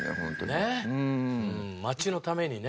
町のためにね。